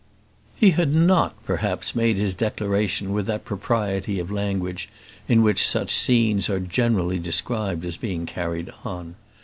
He had not, perhaps, made his declaration with that propriety of language in which such scenes are generally described as being carried on.